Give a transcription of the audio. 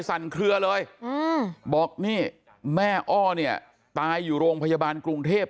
สั่นเคลือเลยบอกนี่แม่อ้อเนี่ยตายอยู่โรงพยาบาลกรุงเทพ